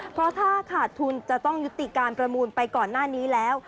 เพราะถ้าขาดทุนจะต้องยุติการประมูลไปก่อนหน้านี้แล้ว